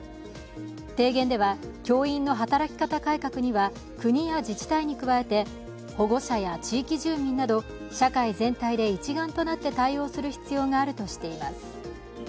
提言では、教員の働き方改革には国や自治体に加えて保護者や地域住民など社会全体で一丸となって対応する必要があるとしています。